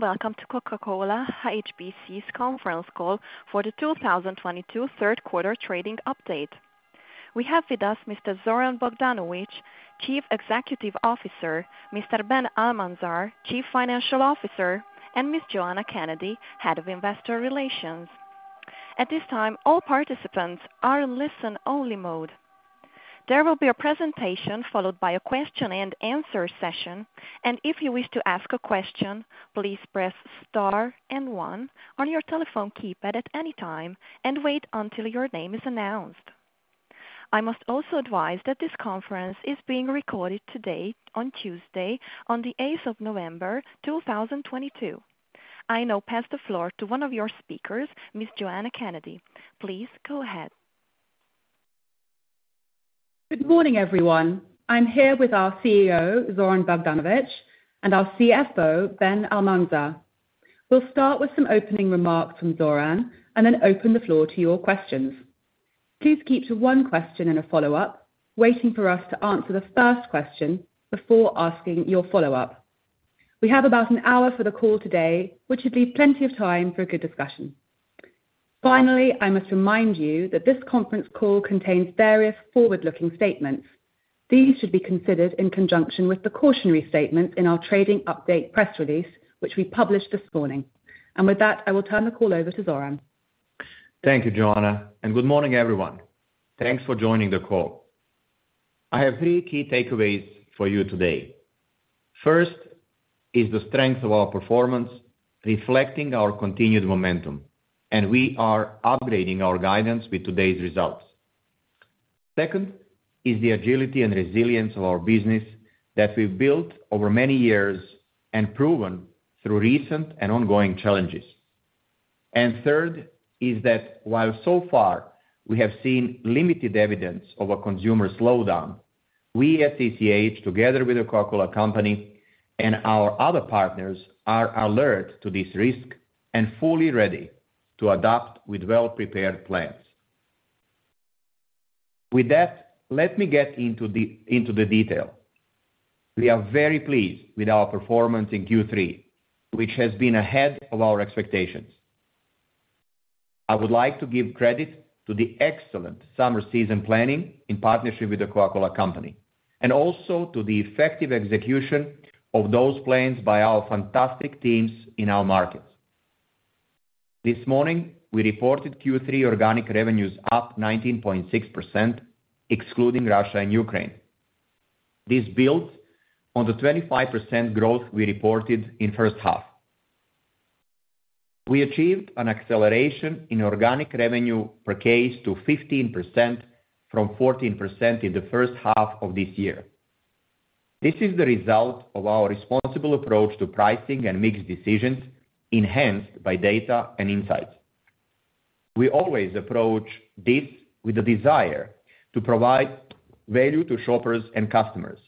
Welcome to Coca-Cola HBC's conference call for the 2022 third quarter trading update. We have with us Mr. Zoran Bogdanovic, Chief Executive Officer, Mr. Ben Almanzar, Chief Financial Officer, and Ms. Joanna Kennedy, Head of Investor Relations. At this time, all participants are in listen only mode. There will be a presentation followed by a question and answer session. If you wish to ask a question, please press star and one on your telephone keypad at any time and wait until your name is announced. I must also advise that this conference is being recorded today on Tuesday, on the eighth of November 2022. I now pass the floor to one of your speakers, Ms. Joanna Kennedy. Please go ahead. Good morning, everyone. I am here with our CEO, Zoran Bogdanovic, and our CFO, Ben Almanzar. We will start with some opening remarks from Zoran and then open the floor to your questions. Please keep to one question and a follow-up, waiting for us to answer the first question before asking your follow-up. We have about an hour for the call today, which should leave plenty of time for a good discussion. Finally, I must remind you that this conference call contains various forward-looking statements. These should be considered in conjunction with the cautionary statement in our trading update press release, which we published this morning. With that, I will turn the call over to Zoran. Thank you, Joanna, and good morning, everyone. Thanks for joining the call. I have three key takeaways for you today. First is the strength of our performance reflecting our continued momentum. We are upgrading our guidance with today's results. Second is the agility and resilience of our business that we have built over many years and proven through recent and ongoing challenges. Third is that while so far we have seen limited evidence of a consumer slowdown, we at CCH, together with The Coca-Cola Company and our other partners, are alert to this risk and fully ready to adapt with well-prepared plans. With that, let me get into the detail. We are very pleased with our performance in Q3, which has been ahead of our expectations. I would like to give credit to the excellent summer season planning in partnership with The Coca-Cola Company. Also to the effective execution of those plans by our fantastic teams in our markets. This morning, we reported Q3 organic revenues up 19.6%, excluding Russia and Ukraine. This builds on the 25% growth we reported in the first half. We achieved an acceleration in organic revenue per case to 15% from 14% in the first half of this year. This is the result of our responsible approach to pricing and mixed decisions enhanced by data and insights. We always approach this with a desire to provide value to shoppers and customers,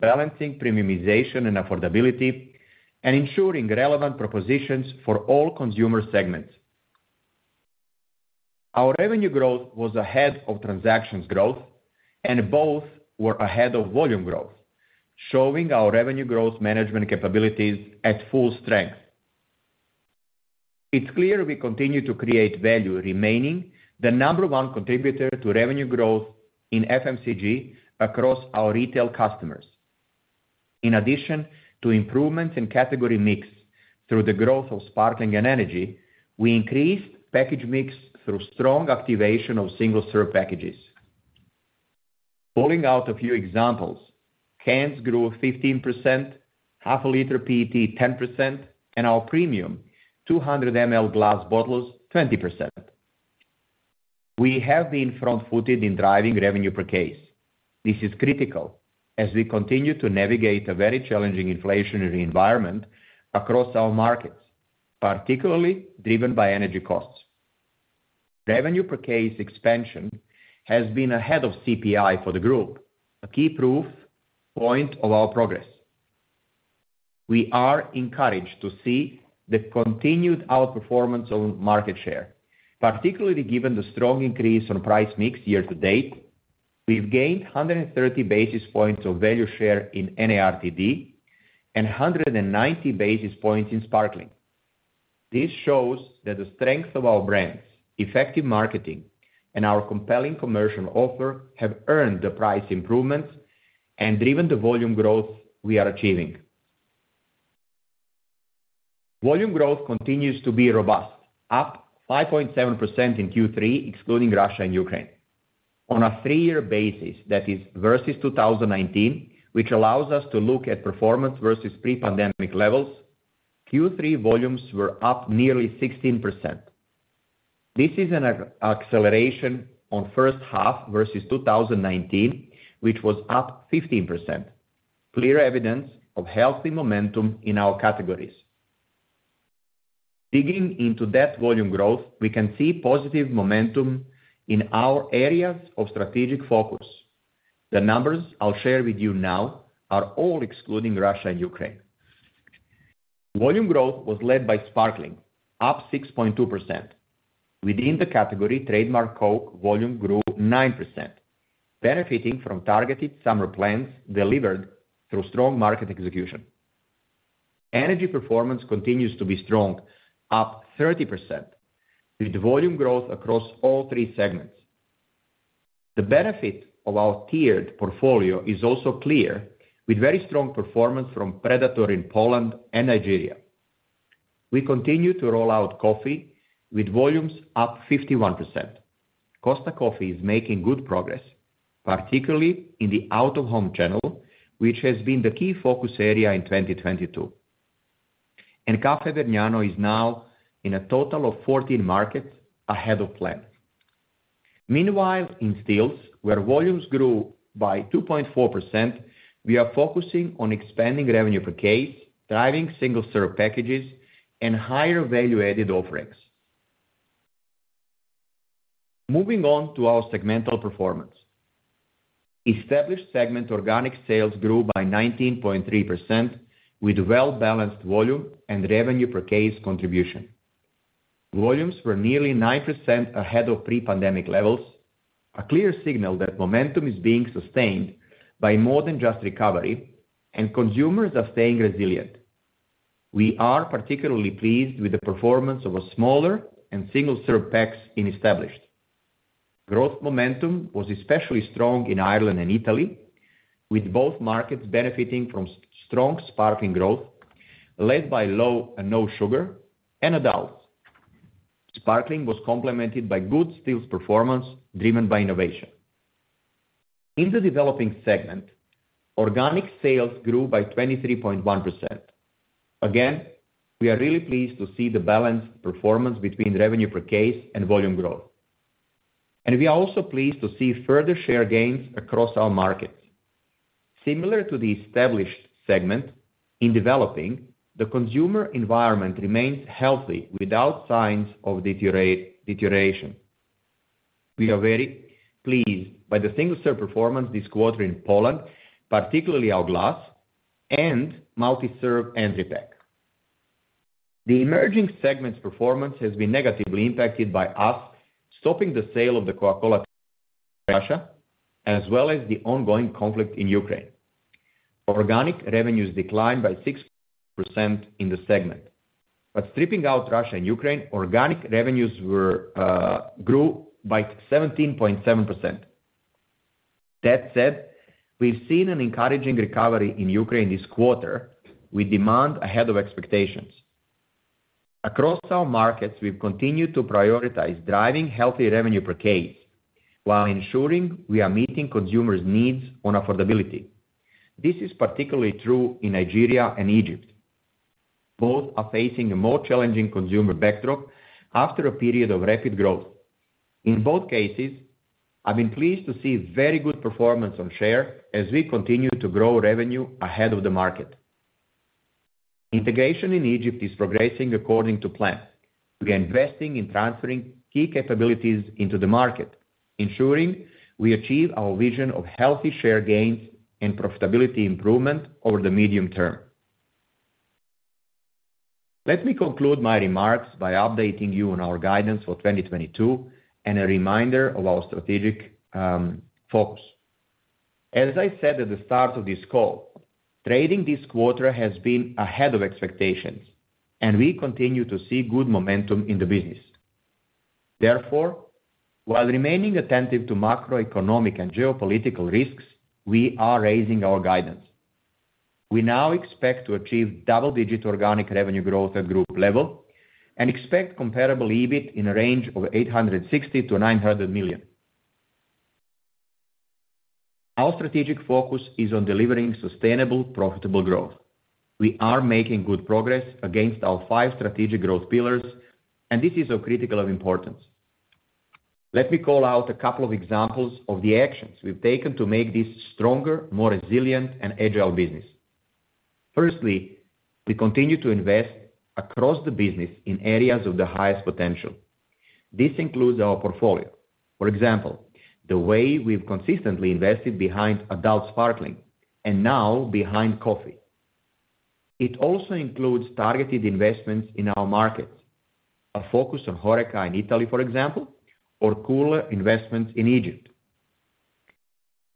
balancing premiumization and affordability and ensuring relevant propositions for all consumer segments. Our revenue growth was ahead of transactions growth. Both were ahead of volume growth, showing our revenue growth management capabilities at full strength. It's clear we continue to create value remaining the number one contributor to revenue growth in FMCG across our retail customers. In addition to improvements in category mix through the growth of sparkling and energy, we increased package mix through strong activation of single-serve packages. Pulling out a few examples, cans grew 15%, half a liter PET 10%, and our premium, 200 ML glass bottles, 20%. We have been front-footed in driving revenue per case. This is critical as we continue to navigate a very challenging inflationary environment across our markets, particularly driven by energy costs. Revenue per case expansion has been ahead of CPI for the group, a key proof point of our progress. We are encouraged to see the continued outperformance on market share, particularly given the strong increase on price mix year to date. We've gained 130 basis points of value share in NARTD and 190 basis points in sparkling. This shows that the strength of our brands, effective marketing, and our compelling commercial offer have earned the price improvements and driven the volume growth we are achieving. Volume growth continues to be robust, up 5.7% in Q3, excluding Russia and Ukraine. On a three-year basis, that is, versus 2019, which allows us to look at performance versus pre-pandemic levels, Q3 volumes were up nearly 16%. This is an acceleration on the first half versus 2019, which was up 15%, clear evidence of healthy momentum in our categories. Digging into that volume growth, we can see positive momentum in our areas of strategic focus. The numbers I'll share with you now are all excluding Russia and Ukraine. Volume growth was led by sparkling, up 6.2%. Within the category, Trademark Coke volume grew 9%, benefiting from targeted summer plans delivered through strong market execution. Energy performance continues to be strong, up 30%, with volume growth across all 3 segments. The benefit of our tiered portfolio is also clear, with very strong performance from Predator in Poland and Nigeria. We continue to roll out coffee, with volumes up 51%. Costa Coffee is making good progress, particularly in the out-of-home channel, which has been the key focus area in 2022. Caffè Vergnano is now in a total of 14 markets, ahead of plan. Meanwhile, in stills, where volumes grew by 2.4%, we are focusing on expanding revenue per case, driving single-serve packages, and higher value-added offerings. Moving on to our segmental performance. Established segment organic sales grew by 19.3% with well-balanced volume and revenue per case contribution. Volumes were nearly 9% ahead of pre-pandemic levels, a clear signal that momentum is being sustained by more than just recovery, and consumers are staying resilient. We are particularly pleased with the performance of a smaller and single-serve packs in Established. Growth momentum was especially strong in Ireland and Italy, with both markets benefiting from strong sparkling growth led by low and no sugar in adults. Sparkling was complemented by good stills performance driven by innovation. In the Developing segment, organic sales grew by 23.1%. Again, we are really pleased to see the balanced performance between revenue per case and volume growth. We are also pleased to see further share gains across our markets. Similar to the Established segment, in Developing, the consumer environment remains healthy without signs of deterioration. We are very pleased by the single-serve performance this quarter in Poland, particularly our glass and multi-serve entry pack. The emerging segment's performance has been negatively impacted by us stopping the sale of the Coca-Cola Russia, as well as the ongoing conflict in Ukraine. Organic revenues declined by 6% in the segment. Stripping out Russia and Ukraine, organic revenues grew by 17.7%. That said, we've seen an encouraging recovery in Ukraine this quarter with demand ahead of expectations. Across our markets, we've continued to prioritize driving healthy revenue per case while ensuring we are meeting consumers' needs on affordability. This is particularly true in Nigeria and Egypt. Both are facing a more challenging consumer backdrop after a period of rapid growth. In both cases, I've been pleased to see very good performance on share as we continue to grow revenue ahead of the market. Integration in Egypt is progressing according to plan. We're investing in transferring key capabilities into the market, ensuring we achieve our vision of healthy share gains and profitability improvement over the medium term. Let me conclude my remarks by updating you on our guidance for 2022, a reminder of our strategic focus. As I said at the start of this call, trading this quarter has been ahead of expectations, we continue to see good momentum in the business. Therefore, while remaining attentive to macroeconomic and geopolitical risks, we are raising our guidance. We now expect to achieve double-digit organic revenue growth at group level and expect comparable EBIT in a range of 860 million-900 million. Our strategic focus is on delivering sustainable, profitable growth. We are making good progress against our five strategic growth pillars, this is of critical importance. Let me call out a couple of examples of the actions we've taken to make this a stronger, more resilient, and agile business. Firstly, we continue to invest across the business in areas of the highest potential. This includes our portfolio. For example, the way we've consistently invested behind adult sparkling and now behind coffee. It also includes targeted investments in our markets, a focus on HoReCa in Italy, for example, or cooler investments in Egypt.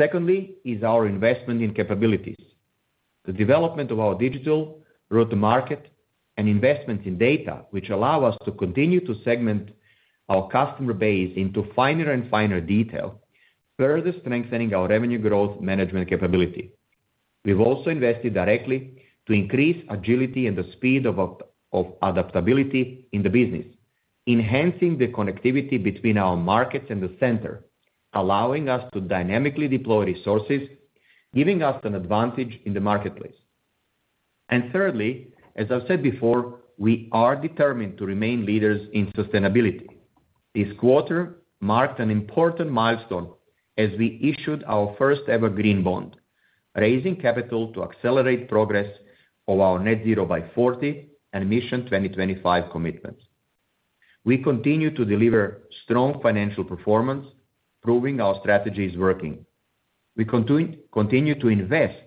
Secondly is our investment in capabilities. The development of our digital route to market and investment in data, which allow us to continue to segment our customer base into finer and finer detail, further strengthening our revenue growth management capability. We've also invested directly to increase agility and the speed of adaptability in the business, enhancing the connectivity between our markets and the center, allowing us to dynamically deploy resources, giving us an advantage in the marketplace. Thirdly, as I've said before, we are determined to remain leaders in sustainability. This quarter marked an important milestone as we issued our first ever green bond, raising capital to accelerate progress of our Net Zero by 40 and Mission 2025 commitments. We continue to deliver strong financial performance, proving our strategy is working. We continue to invest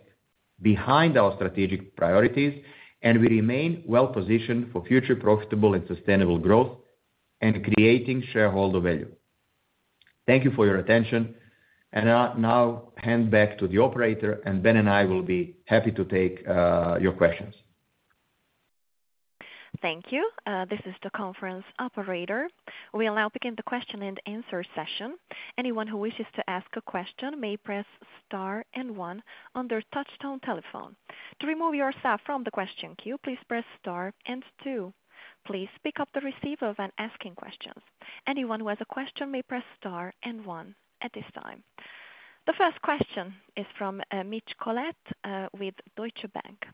behind our strategic priorities, we remain well-positioned for future profitable and sustainable growth and creating shareholder value. Thank you for your attention. I now hand back to the operator, Ben and I will be happy to take your questions. Thank you. This is the conference operator. We now begin the question and answer session. Anyone who wishes to ask a question may press star and one on their touchtone telephone. To remove yourself from the question queue, please press star and two. Please pick up the receiver when asking questions. Anyone who has a question may press star and one at this time. The first question is from Mitch Collett with Deutsche Bank.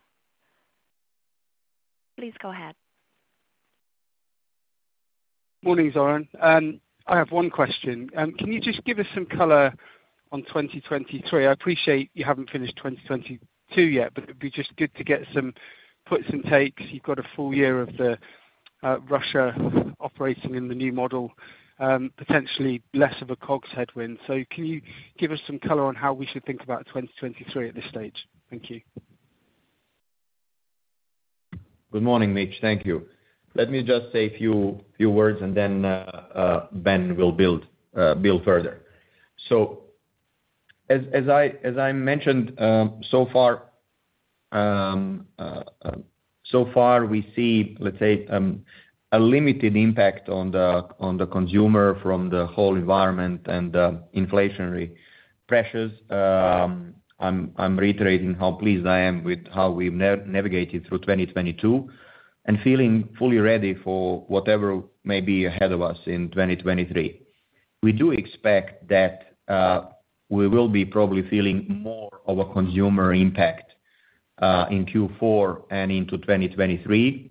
Please go ahead. Morning, Zoran. I have one question. Can you just give us some color on 2023? I appreciate you haven't finished 2022 yet. It'd be just good to get some puts and takes. You've got a full year of the Russia operating in the new model, potentially less of a COGS headwind. Can you give us some color on how we should think about 2023 at this stage? Thank you. Good morning, Mitch. Thank you. Let me just say a few words. Then Ben will build further. As I mentioned, so far we see, let's say, a limited impact on the consumer from the whole environment and inflationary pressures. I'm reiterating how pleased I am with how we've navigated through 2022, feeling fully ready for whatever may be ahead of us in 2023. We do expect that we will be probably feeling more of a consumer impact, in Q4 and into 2023.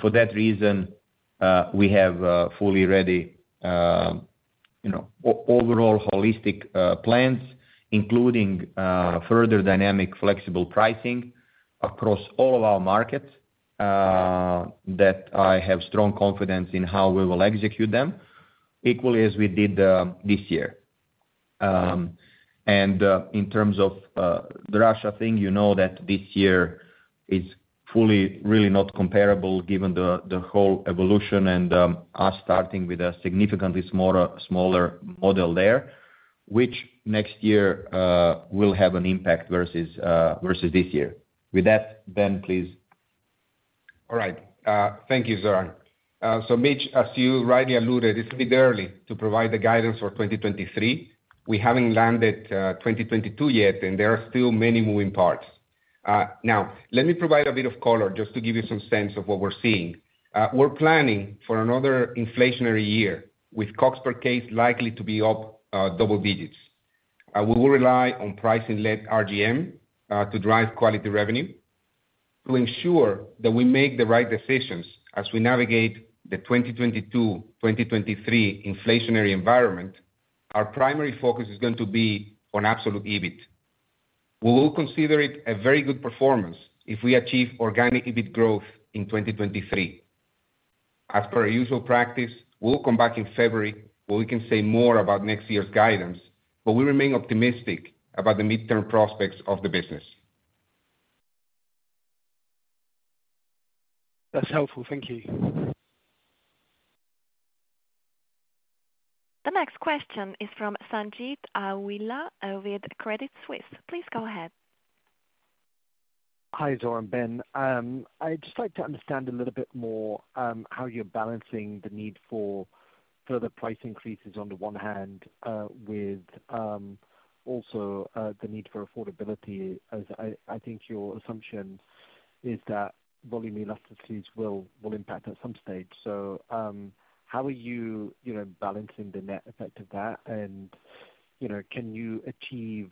For that reason, we have fully ready overall holistic plans, including further dynamic flexible pricing across all of our markets, that I have strong confidence in how we will execute them equally as we did this year. In terms of the Russia thing, you know that this year is fully really not comparable given the whole evolution and us starting with a significantly smaller model there, which next year will have an impact versus this year. With that, Ben, please. All right. Thank you, Zoran. Mitch, as you rightly alluded, it's a bit early to provide the guidance for 2023. We haven't landed 2022 yet, and there are still many moving parts. Let me provide a bit of color just to give you some sense of what we're seeing. We're planning for another inflationary year with COGS per case likely to be up double digits. We will rely on pricing-led RGM to drive quality revenue to ensure that we make the right decisions as we navigate the 2022-2023 inflationary environment. Our primary focus is going to be on absolute EBIT. We will consider it a very good performance if we achieve organic EBIT growth in 2023. As per our usual practice, we'll come back in February where we can say more about next year's guidance, but we remain optimistic about the midterm prospects of the business. That's helpful. Thank you. The next question is from Sanjeet Aujla with Credit Suisse. Please go ahead. Hi, Zoran, Ben. I'd just like to understand a little bit more, how you're balancing the need for further price increases on the one hand, with also the need for affordability, as I think your assumption is that volume elasticities will impact at some stage. How are you balancing the net effect of that? Can you achieve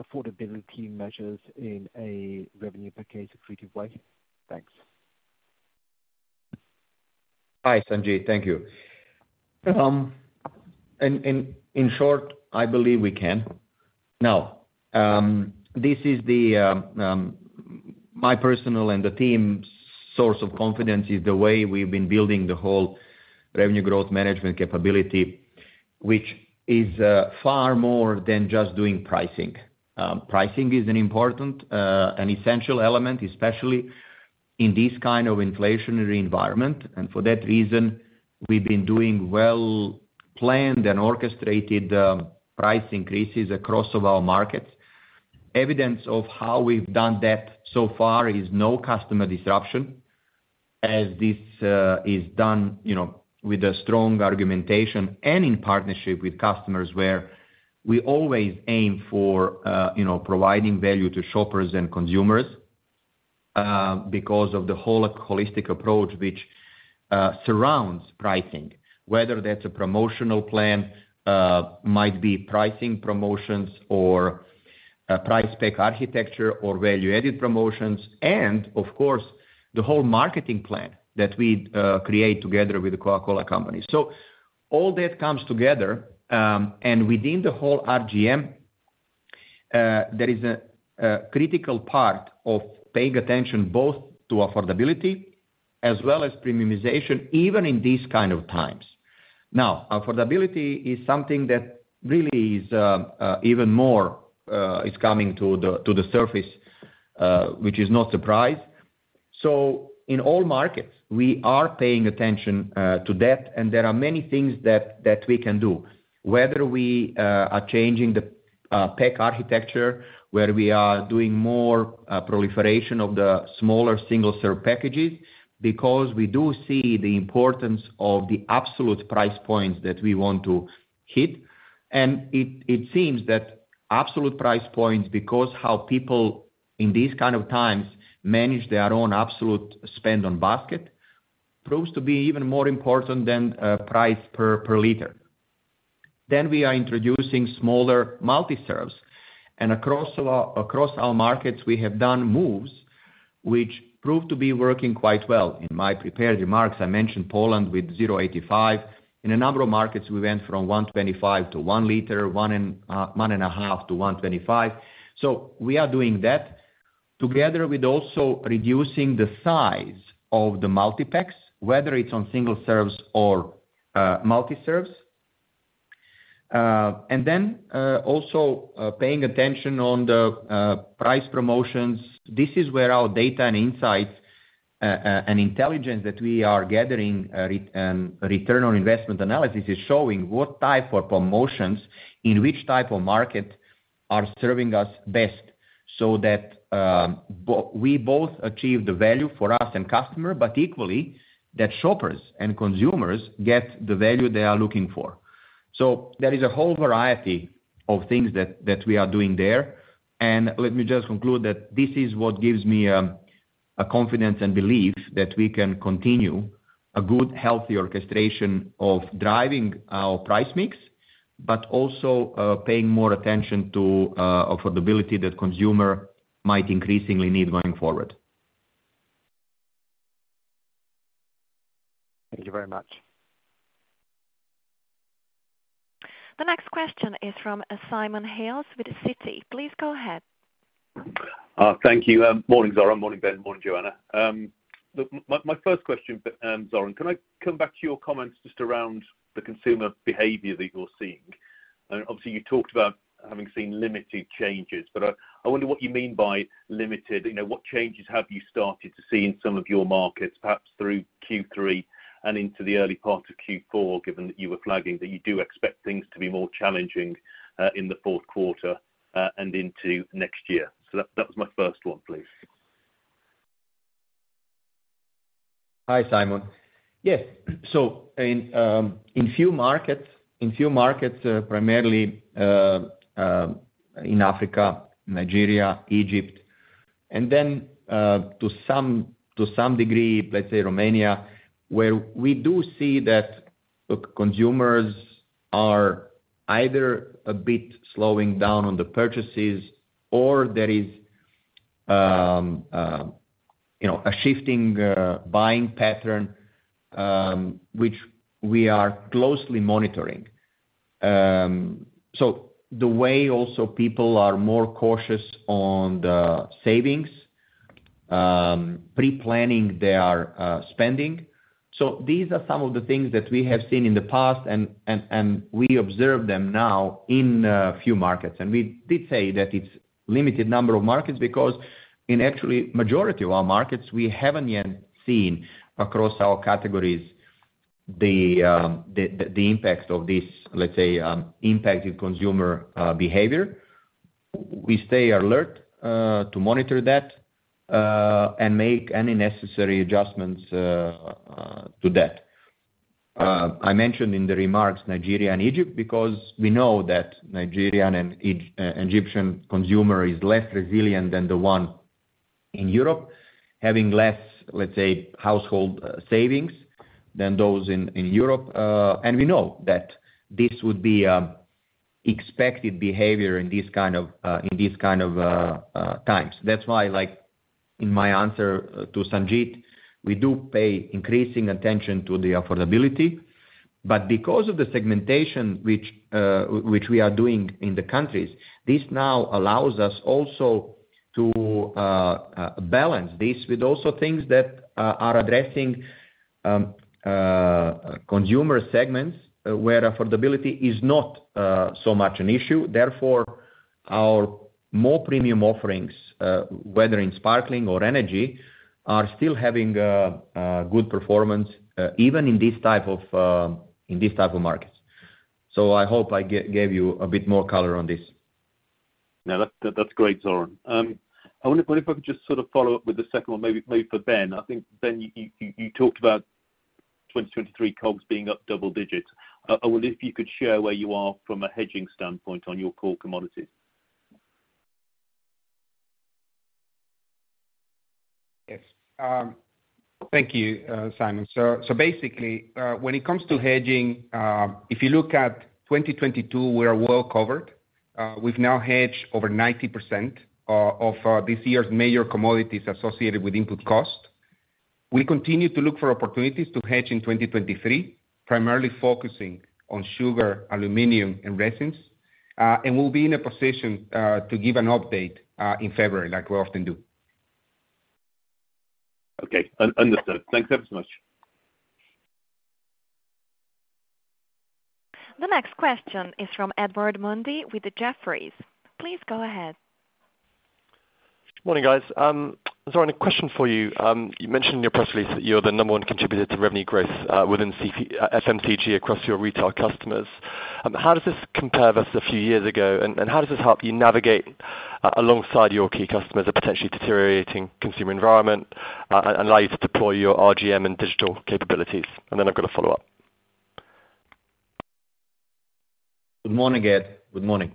affordability measures in a revenue per case accretive way? Thanks. Hi, Sanjeet. Thank you. In short, I believe we can. My personal and the team's source of confidence is the way we've been building the whole revenue growth management capability, which is far more than just doing pricing. Pricing is an important, an essential element, especially in this kind of inflationary environment. For that reason, we've been doing well-planned and orchestrated price increases across all our markets. Evidence of how we've done that so far is no customer disruption as this is done with a strong argumentation and in partnership with customers where we always aim for providing value to shoppers and consumers, because of the whole holistic approach which surrounds pricing. Whether that's a promotional plan, might be pricing promotions or price spec architecture or value-added promotions. Of course, the whole marketing plan that we create together with The Coca-Cola Company. All that comes together. Within the whole RGM, there is a critical part of paying attention both to affordability as well as premiumization, even in these kind of times. Affordability is something that really is even more is coming to the surface, which is no surprise. In all markets, we are paying attention to that, there are many things that we can do. Whether we are changing the pack architecture, where we are doing more proliferation of the smaller single-serve packages, because we do see the importance of the absolute price points that we want to hit. It seems that absolute price points, because how people in these kind of times manage their own absolute spend on basket, proves to be even more important than price per liter. We are introducing smaller multi-serves. Across our markets, we have done moves which prove to be working quite well. In my prepared remarks, I mentioned Poland with 0.85. In a number of markets, we went from 1.25 to 1 L, 1.5 L to 1.25. We are doing that together with also reducing the size of the multi-packs, whether it's on single serves or multi-serves. Also paying attention on the price promotions. This is where our data and insights and intelligence that we are gathering return on investment analysis is showing what type of promotions in which type of market are serving us best, so that we both achieve the value for us and customer, but equally that shoppers and consumers get the value they are looking for. There is a whole variety of things that we are doing there. Let me just conclude that this is what gives me a confidence and belief that we can continue a good, healthy orchestration of driving our price mix, also paying more attention to affordability that consumer might increasingly need going forward. Thank you very much. The next question is from Simon Hales with Citi. Please go ahead. Thank you. Morning, Zoran. Morning, Ben. Morning, Joanna. My first question, Zoran, can I come back to your comments just around the consumer behavior that you're seeing? Obviously, you talked about having seen limited changes, but I wonder what you mean by limited. What changes have you started to see in some of your markets, perhaps through Q3 and into the early part of Q4, given that you were flagging that you do expect things to be more challenging in the fourth quarter and into next year? That was my first one, please. Hi, Simon. Yes. In few markets, primarily in Africa, Nigeria, Egypt, and then to some degree, let's say Romania, where we do see that consumers are either a bit slowing down on the purchases or there is a shifting buying pattern, which we are closely monitoring. The way also people are more cautious on the savings, pre-planning their spending. These are some of the things that we have seen in the past, and we observe them now in a few markets. We did say that it's limited number of markets because in actually majority of our markets, we haven't yet seen across our categories the impact of this, let's say, impact in consumer behavior. We stay alert to monitor that and make any necessary adjustments to that. I mentioned in the remarks Nigeria and Egypt, because we know that Nigerian and Egyptian consumer is less resilient than the one in Europe, having less, let's say, household savings than those in Europe. We know that this would be expected behavior in this kind of times. That's why in my answer to Sanjeet, we do pay increasing attention to the affordability. Because of the segmentation which we are doing in the countries, this now allows us also to balance this with also things that are addressing consumer segments where affordability is not so much an issue. Therefore, our more premium offerings, whether in sparkling or energy, are still having good performance even in this type of markets. I hope I gave you a bit more color on this. No, that's great, Zoran. I wonder if I could just sort of follow up with the second one, maybe for Ben. I think, Ben, you talked about 2023 COGS being up double digits. I wonder if you could share where you are from a hedging standpoint on your core commodities. Yes. Thank you, Simon. Basically, when it comes to hedging, if you look at 2022, we are well covered. We've now hedged over 90% of this year's major commodities associated with input cost. We continue to look for opportunities to hedge in 2023, primarily focusing on sugar, aluminum, and resins. We'll be in a position to give an update in February, like we often do. Okay. Understood. Thanks ever so much. The next question is from Edward Mundy with Jefferies. Please go ahead. Morning, guys. Zoran, a question for you. You mentioned in your press release that you're the number 1 contributor to revenue growth within FMCG across your retail customers. How does this compare versus a few years ago, and how does this help you navigate alongside your key customers a potentially deteriorating consumer environment, allow you to deploy your RGM and digital capabilities? I've got a follow-up. Good morning, Ed. Good morning.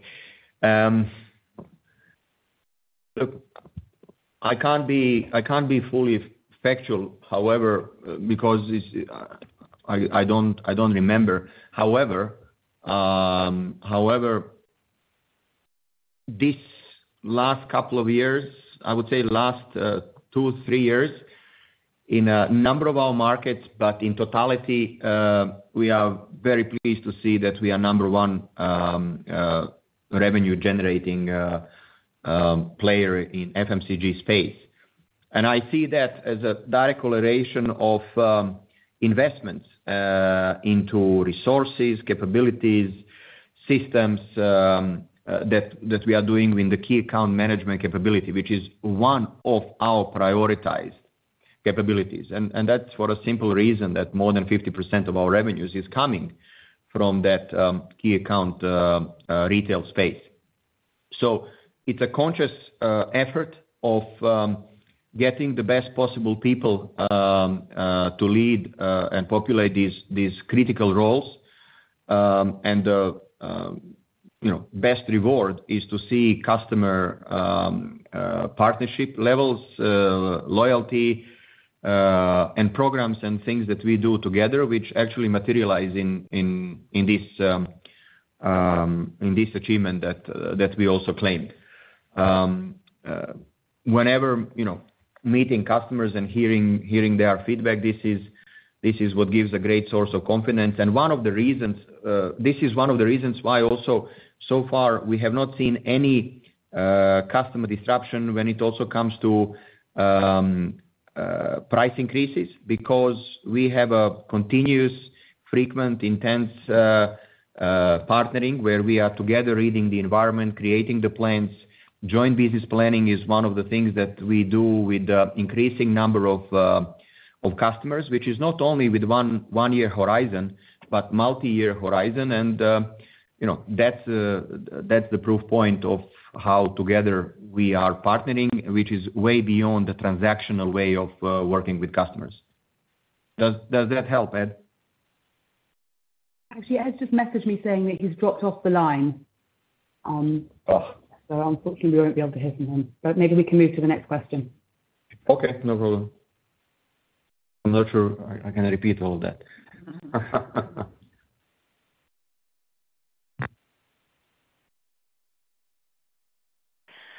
Look, I can't be fully factual, however, because I don't remember. However, this last couple of years, I would say last two, three years, in a number of our markets but in totality, we are very pleased to see that we are number 1 revenue-generating player in FMCG space. I see that as a direct correlation of investments into resources, capabilities, systems, that we are doing in the key account management capability, which is one of our prioritized capabilities. That's for a simple reason that more than 50% of our revenues is coming from that key account retail space. It's a conscious effort of getting the best possible people to lead and populate these critical roles. The best reward is to see customer partnership levels, loyalty, and programs and things that we do together, which actually materialize in this achievement that we also claimed. Whenever meeting customers and hearing their feedback, this is what gives a great source of confidence. This is one of the reasons why also, so far, we have not seen any customer disruption when it also comes to price increases because we have a continuous, frequent, intense partnering where we are together reading the environment, creating the plans. Joint business planning is one of the things that we do with the increasing number of customers, which is not only with one-year horizon, but multi-year horizon. That's the proof point of how together we are partnering, which is way beyond the transactional way of working with customers. Does that help, Ed? Actually, Ed's just messaged me saying that he's dropped off the line. Ugh. Unfortunately, we won't be able to hear from him, but maybe we can move to the next question. Okay, no problem. I'm not sure I can repeat all that.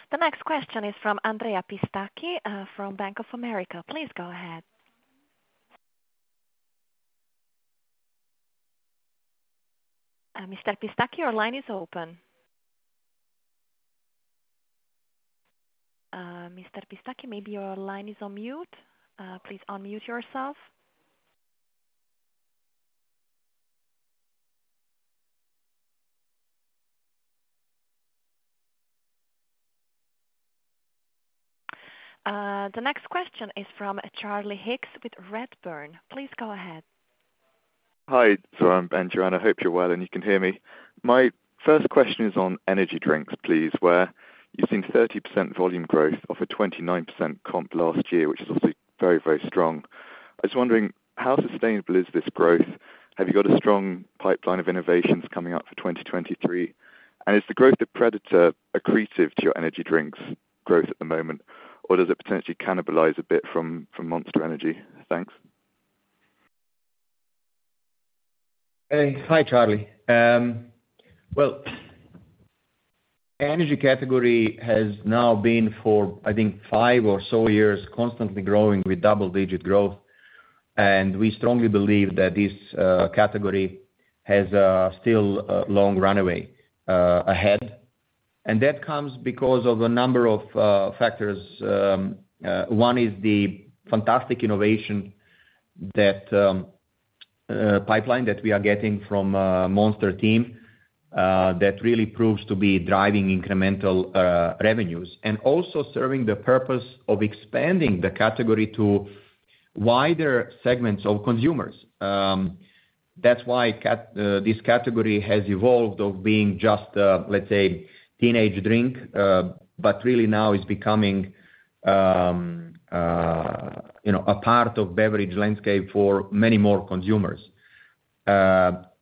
The next question is from Andrea Pistacchi from Bank of America. Please go ahead. Mr. Pistacchi, your line is open. Mr. Pistacchi, maybe your line is on mute. Please unmute yourself. The next question is from Charlie Higgs with Redburn. Please go ahead. Hi, Zoran and Joanna. I hope you're well and you can hear me. My first question is on energy drinks, please, where you've seen 30% volume growth off a 29% comp last year, which is obviously very, very strong. I was wondering, how sustainable is this growth? Have you got a strong pipeline of innovations coming up for 2023? Is the growth of Predator accretive to your energy drinks growth at the moment, or does it potentially cannibalize a bit from Monster Energy? Thanks. Hi, Charlie. Well, energy category has now been for, I think five or so years, constantly growing with double-digit growth, and we strongly believe that this category has still a long runway ahead, and that comes because of a number of factors. One is the fantastic innovation pipeline that we are getting from Monster team that really proves to be driving incremental revenues and also serving the purpose of expanding the category to wider segments of consumers. That's why this category has evolved of being just a, let's say, teenage drink, but really now is becoming a part of beverage landscape for many more consumers.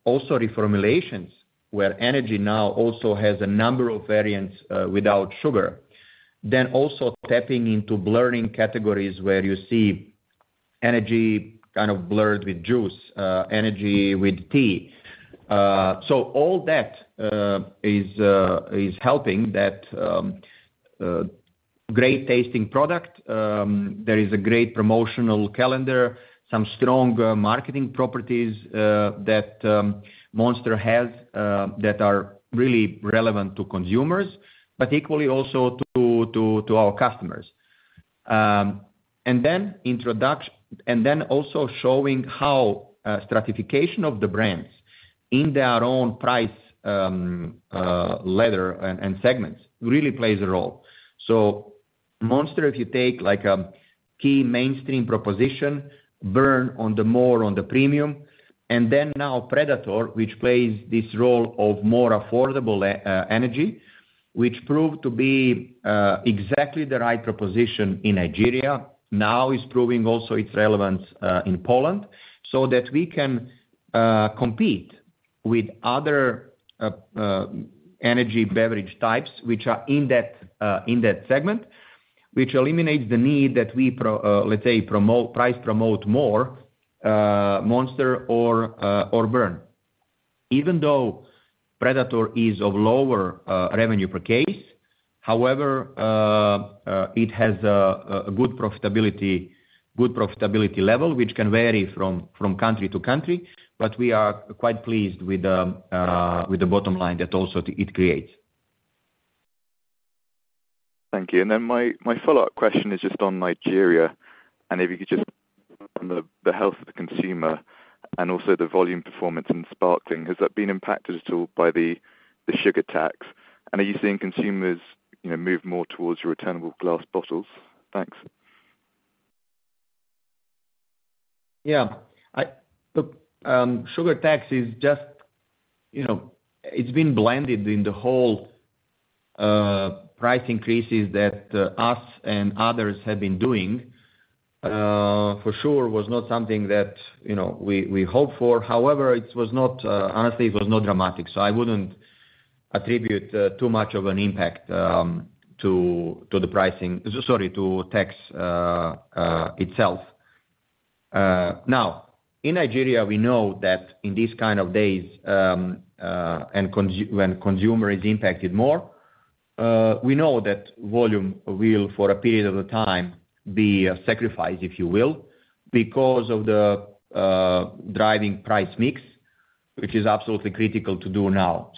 Also, reformulations, where energy now also has a number of variants without sugar. Then also tapping into blurring categories where you see energy kind of blurred with juice, energy with tea. All that is helping that. There is a great promotional calendar, some strong marketing properties that Monster has that are really relevant to consumers, but equally also to our customers. Showing how stratification of the brands in their own price ladder and segments really plays a role. Monster, if you take a key mainstream proposition, BURN on the more on the premium, and then now Predator, which plays this role of more affordable energy, which proved to be exactly the right proposition in Nigeria. Now is proving also its relevance in Poland, so that we can compete with other energy beverage types which are in that segment, which eliminates the need that we, let's say, price promote more Monster or BURN. Even though Predator is of lower revenue per case. It has a good profitability level, which can vary from country to country, but we are quite pleased with the bottom line that also it creates. Thank you. My follow-up question is just on Nigeria, if you could just on the health of the consumer and also the volume performance in sparkling, has that been impacted at all by the sugar tax? Are you seeing consumers move more towards your returnable glass bottles? Thanks. Look, sugar tax, it's been blended in the whole price increases that us and others have been doing, for sure was not something that we hoped for. Honestly, it was not dramatic. I wouldn't attribute too much of an impact to the pricing, sorry to tax itself. In Nigeria, we know that in these kind of days, when consumer is impacted more, we know that volume will, for a period of time, be a sacrifice, if you will, because of the driving price mix, which is absolutely critical to do now.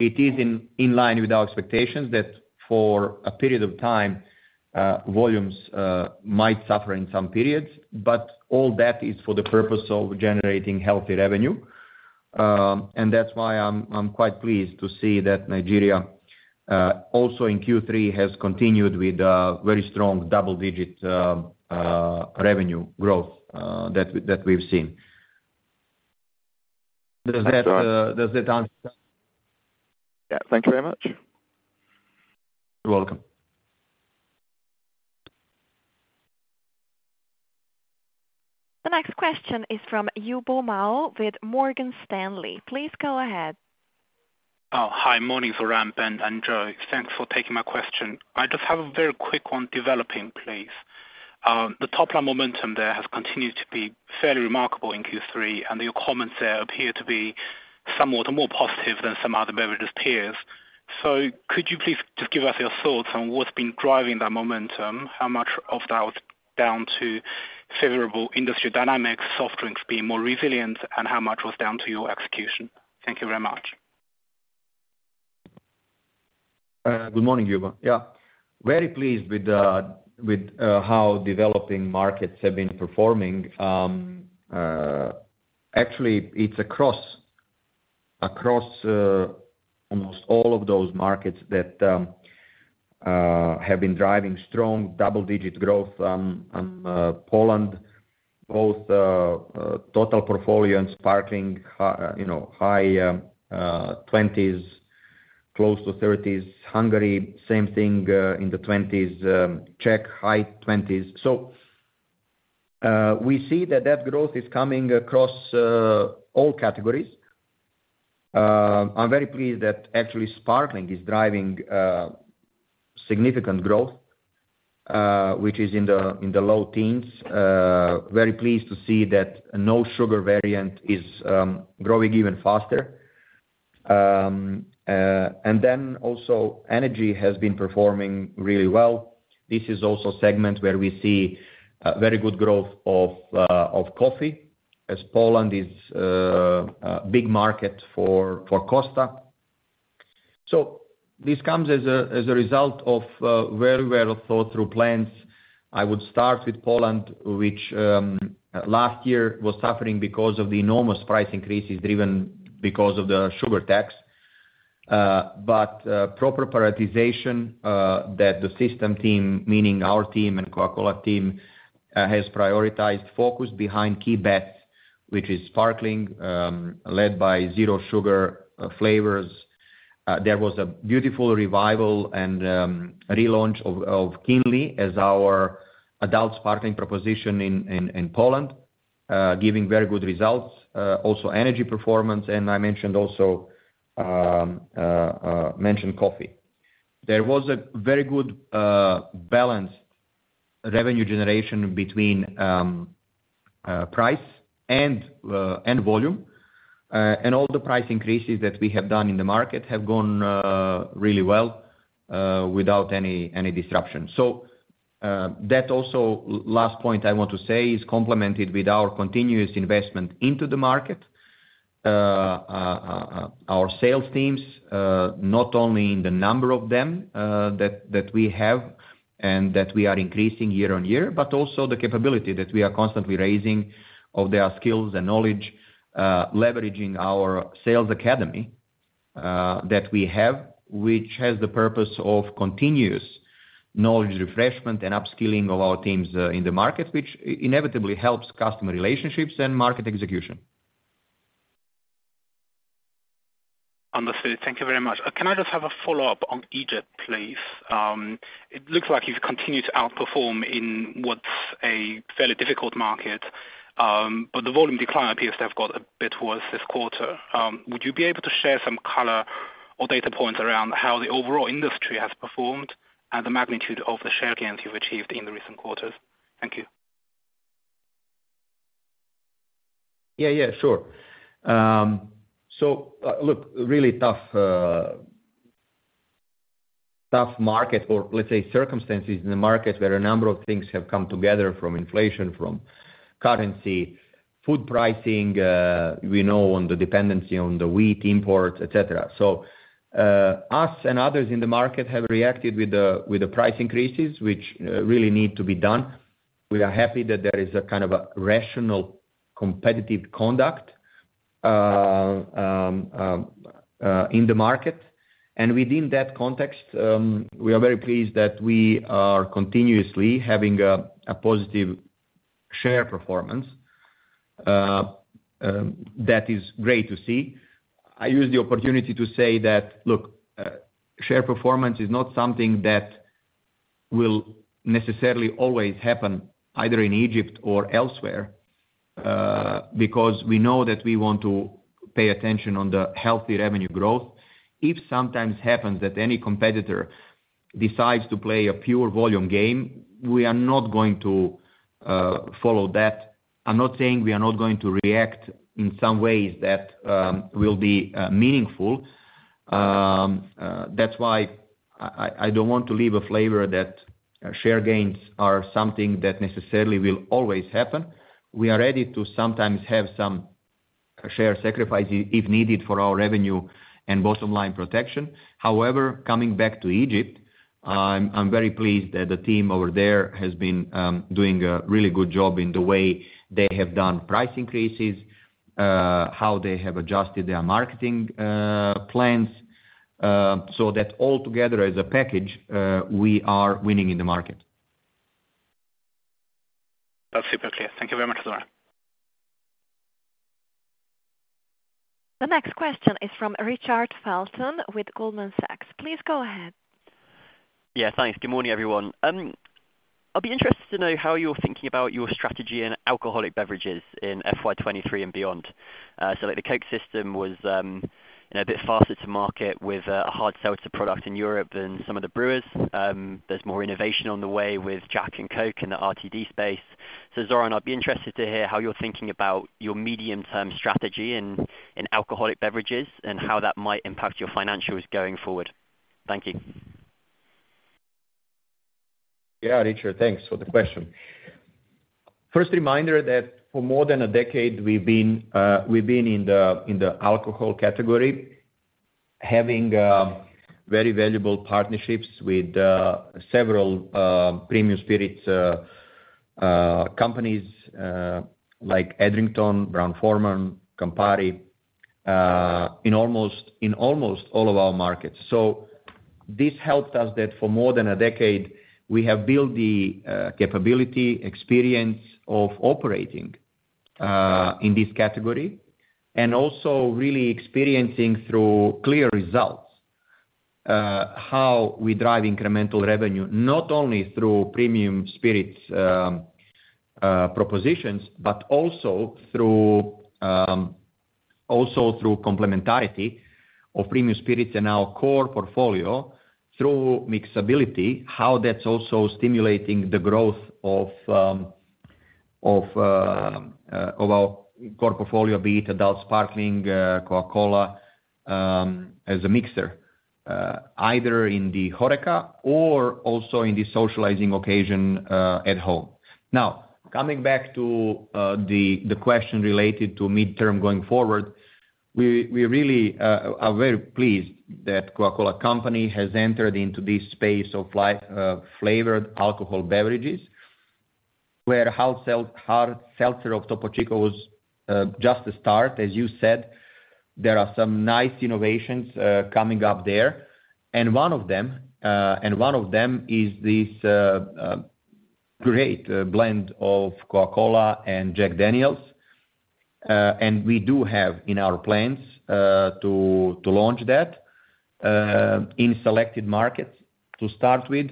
It is in line with our expectations that for a period of time, volumes might suffer in some periods, but all that is for the purpose of generating healthy revenue. That's why I'm quite pleased to see that Nigeria, also in Q3, has continued with very strong double-digit revenue growth that we've seen. Does that answer? Yeah. Thank you very much. You're welcome. The next question is from Yubo Mao with Morgan Stanley. Please go ahead. Oh, hi, morning, Zoran, Ben, and Johanna. Thanks for taking my question. I just have a very quick one developing, please. The top-line momentum there has continued to be fairly remarkable in Q3, and your comments there appear to be somewhat more positive than some other beverages peers. Could you please just give us your thoughts on what's been driving that momentum? How much of that was down to favorable industry dynamics, soft drinks being more resilient, and how much was down to your execution? Thank you very much. Good morning, Yubo. Yeah. Very pleased with how developing markets have been performing. Actually, it is across almost all of those markets that have been driving strong double-digit growth. Poland, both total portfolio and sparkling, high 20s, close to 30s. Hungary, same thing, in the 20s. Czech, high 20s. We see that that growth is coming across all categories. I am very pleased that actually sparkling is driving significant growth, which is in the low teens. Very pleased to see that no-sugar variant is growing even faster. Also energy has been performing really well. This is also a segment where we see very good growth of coffee, as Poland is a big market for Costa. This comes as a result of very well-thought-through plans. I would start with Poland, which last year was suffering because of the enormous price increases driven because of the sugar tax. Proper prioritization that the system team, meaning our team and Coca-Cola team, has prioritized focus behind key bets, which is sparkling, led by zero-sugar flavors. There was a beautiful revival and relaunch of Kinley as our adult sparkling proposition in Poland, giving very good results. Also energy performance, I mentioned also coffee. There was a very good balance revenue generation between price and volume, all the price increases that we have done in the market have gone really well without any disruption. That also, last point I want to say, is complemented with our continuous investment into the market. Our sales teams, not only in the number of them that we have and that we are increasing year-on-year, but also the capability that we are constantly raising of their skills and knowledge, leveraging our sales academy that we have, which has the purpose of continuous knowledge refreshment and upskilling of our teams in the market, which inevitably helps customer relationships and market execution. Understood. Thank you very much. Can I just have a follow-up on Egypt, please? It looks like you have continued to outperform in what is a fairly difficult market. The volume decline appears to have got a bit worse this quarter. Would you be able to share some color or data points around how the overall industry has performed and the magnitude of the share gains you have achieved in the recent quarters? Thank you. Yeah. Sure. Look, really tough market or let's say circumstances in the market where a number of things have come together from inflation, from currency, food pricing we know on the dependency on the wheat imports, et cetera. Us and others in the market have reacted with the price increases, which really need to be done. We are happy that there is a kind of a rational, competitive conduct in the market. Within that context, we are very pleased that we are continuously having a positive share performance. That is great to see. I use the opportunity to say that, look, share performance is not something that will necessarily always happen either in Egypt or elsewhere, because we know that we want to pay attention on the healthy revenue growth. If it sometimes happens that any competitor decides to play a pure volume game, we are not going to follow that. I'm not saying we are not going to react in some ways that will be meaningful. That's why I don't want to leave a flavor that share gains are something that necessarily will always happen. We are ready to sometimes have some share sacrifice if needed for our revenue and bottom line protection. However, coming back to Egypt, I'm very pleased that the team over there has been doing a really good job in the way they have done price increases, how they have adjusted their marketing plans. That all together as a package, we are winning in the market. That's super clear. Thank you very much, Zoran. The next question is from Richard Felton with Goldman Sachs. Please go ahead. Thanks. Good morning, everyone. I'll be interested to know how you're thinking about your strategy in alcoholic beverages in FY 2023 and beyond. The Coke system was a bit faster to market with a hard seltzer product in Europe than some of the brewers. There's more innovation on the way with Jack & Coke in the RTD space. Zoran, I'd be interested to hear how you're thinking about your medium-term strategy in alcoholic beverages and how that might impact your financials going forward. Thank you. Richard. Thanks for the question. First reminder that for more than a decade, we've been in the alcohol category, having very valuable partnerships with several premium spirits companies like Edrington, Brown-Forman, Campari in almost all of our markets. This helped us that for more than a decade, we have built the capability, experience of operating in this category, and also really experiencing through clear results how we drive incremental revenue, not only through premium spirits propositions, but also through complementarity of premium spirits in our core portfolio through mixability, how that's also stimulating the growth of our core portfolio, be it adult sparkling Coca-Cola as a mixer either in the HoReCa or also in the socializing occasion at home. Coming back to the question related to medium-term going forward, we really are very pleased that The Coca-Cola Company has entered into this space of flavored alcohol beverages where Topo Chico Hard Seltzer was just a start, as you said. There are some nice innovations coming up there. One of them is this great blend of Coca-Cola and Jack Daniel's. We do have in our plans to launch that in selected markets to start with.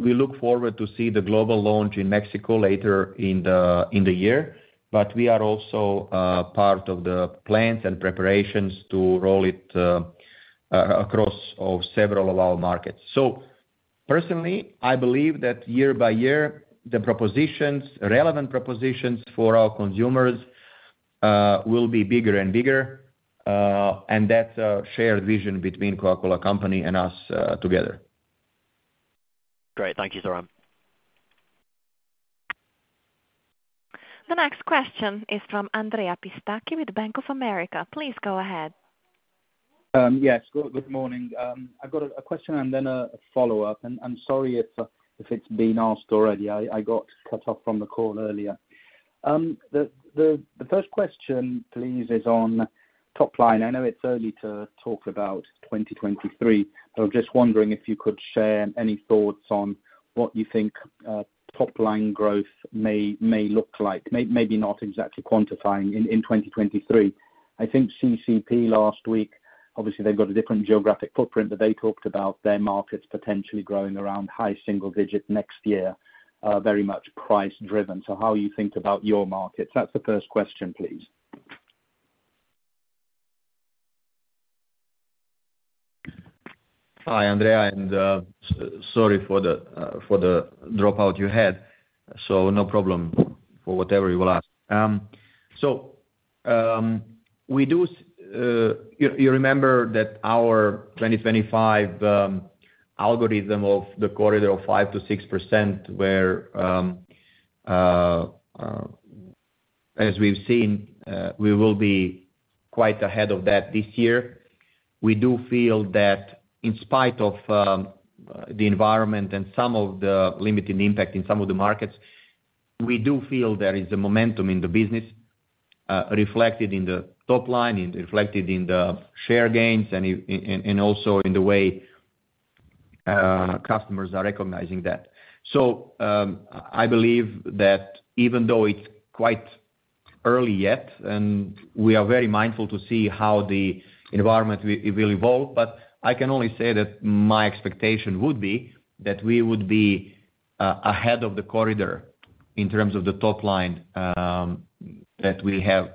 We look forward to see the global launch in Mexico later in the year, but we are also part of the plans and preparations to roll it across several of our markets. Personally, I believe that year by year, the relevant propositions for our consumers will be bigger and bigger, and that's a shared vision between The Coca-Cola Company and us together. Great. Thank you, Zoran. The next question is from Andrea Pistacchi with Bank of America. Please go ahead. Yes. Good morning. I've got a question and then a follow-up, and I'm sorry if it's been asked already. I got cut off from the call earlier. The first question, please, is on top line. I know it's early to talk about 2023. I was just wondering if you could share any thoughts on what you think top-line growth may look like, maybe not exactly quantifying in 2023. I think CCEP last week, obviously, they've got a different geographic footprint. They talked about their markets potentially growing around high single digits next year, very much price driven. How you think about your markets? That's the first question, please. Hi, Andrea, sorry for the dropout you had. No problem for whatever you will ask. You remember that our 2025 algorithm of the corridor of 5%-6% where, as we've seen, we will be quite ahead of that this year. We do feel that in spite of the environment and some of the limiting impact in some of the markets, we do feel there is a momentum in the business reflected in the top line, reflected in the share gains, and also in the way customers are recognizing that. I believe that even though it's quite early yet, we are very mindful to see how the environment will evolve. I can only say that my expectation would be that we would be ahead of the corridor in terms of the top line that we have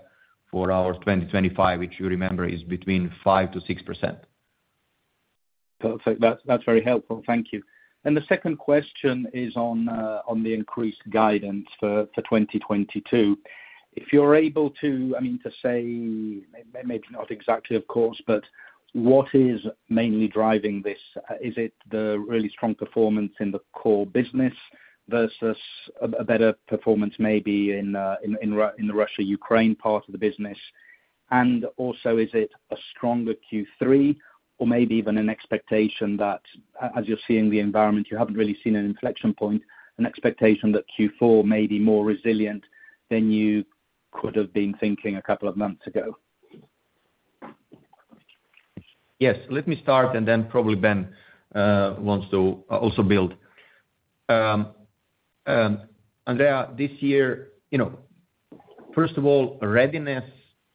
for our 2025, which you remember is between 5%-6%. Perfect. That is very helpful. Thank you. The second question is on the increased guidance for 2022. If you are able to say, maybe not exactly, of course, but what is mainly driving this? Is it the really strong performance in the core business versus a better performance maybe in the Russia-Ukraine part of the business? Also, is it a stronger Q3 or maybe even an expectation that, as you are seeing the environment, you have not really seen an inflection point, an expectation that Q4 may be more resilient than you could have been thinking a couple of months ago? Yes. Let me start, then probably Ben wants to also build. Andrea, this year, first of all, readiness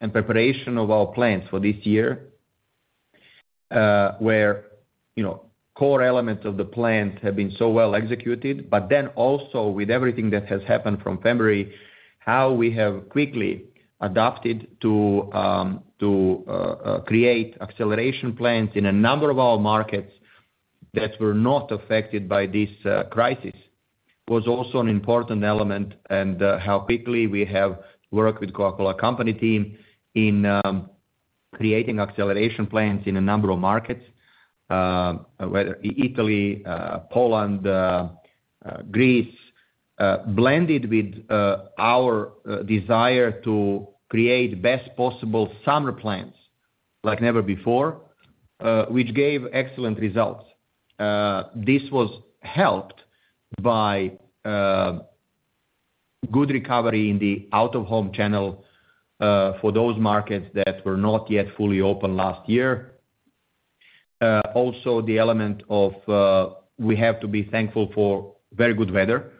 and preparation of our plans for this year, where core elements of the plan have been so well executed, but also with everything that has happened from February, how we have quickly adapted to create acceleration plans in a number of our markets that were not affected by this crisis, was also an important element, how quickly we have worked with Coca-Cola Company team in creating acceleration plans in a number of markets, whether Italy, Poland, Greece, blended with our desire to create best possible summer plans like never before, which gave excellent results. This was helped by good recovery in the out-of-home channel, for those markets that were not yet fully open last year. The element of we have to be thankful for very good weather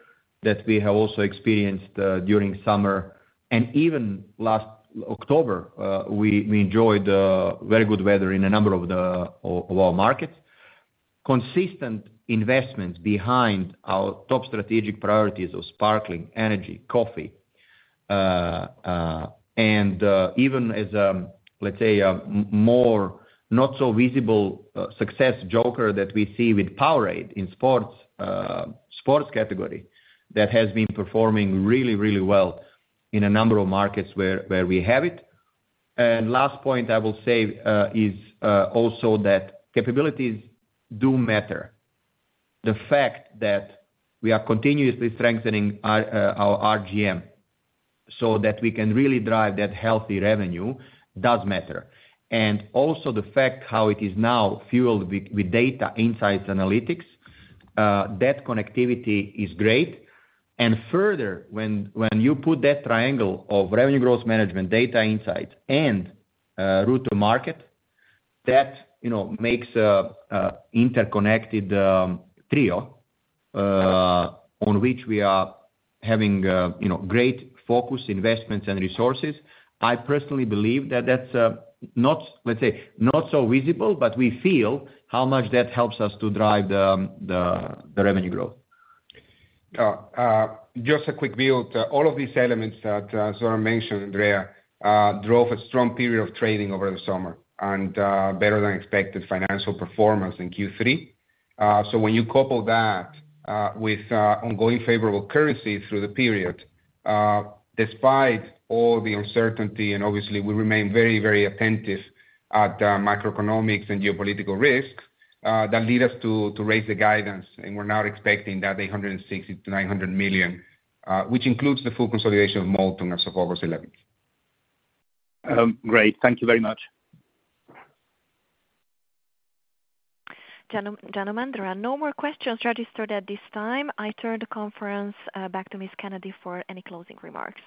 that we have also experienced during summer and even last October, we enjoyed very good weather in a number of our markets. Consistent investments behind our top strategic priorities of sparkling, energy, coffee, and even as, let us say, more not so visible success joker that we see with POWERADE in sports category, that has been performing really, really well in a number of markets where we have it. Last point I will say is also that capabilities do matter. The fact that we are continuously strengthening our RGM so that we can really drive that healthy revenue does matter. Also the fact how it is now fueled with data insights analytics, that connectivity is great. Further, when you put that triangle of revenue growth management, data insight, and route to market, that makes an interconnected trio, on which we are having great focus, investments, and resources. I personally believe that that is, let us say, not so visible, but we feel how much that helps us to drive the revenue growth. Just a quick view to all of these elements that Zoran mentioned, Andrea, drove a strong period of trading over the summer and better than expected financial performance in Q3. When you couple that with ongoing favorable currency through the period, despite all the uncertainty, and obviously, we remain very, very attentive at macroeconomics and geopolitical risks, that lead us to raise the guidance, and we're now expecting that 860 million-900 million, which includes the full consolidation of Multon as of August 11th. Great. Thank you very much. Gentlemen, there are no more questions registered at this time. I turn the conference back to Ms. Kennedy for any closing remarks.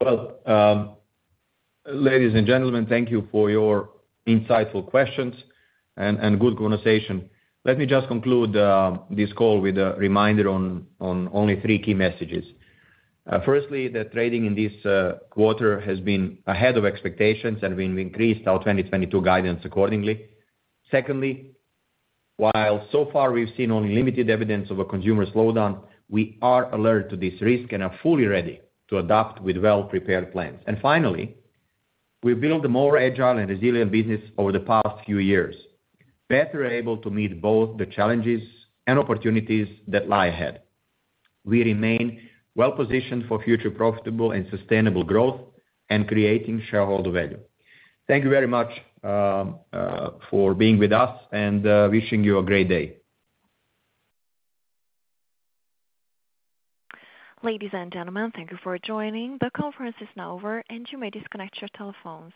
Well, ladies and gentlemen, thank you for your insightful questions and good conversation. Let me just conclude this call with a reminder on only three key messages. Firstly, that trading in this quarter has been ahead of expectations, and we increased our 2022 guidance accordingly. Secondly, while so far we've seen only limited evidence of a consumer slowdown, we are alert to this risk and are fully ready to adapt with well-prepared plans. Finally, we've built a more agile and resilient business over the past few years, better able to meet both the challenges and opportunities that lie ahead. We remain well-positioned for future profitable and sustainable growth and creating shareholder value. Thank you very much for being with us, and wishing you a great day. Ladies and gentlemen, thank you for joining. The conference is now over, and you may disconnect your telephones.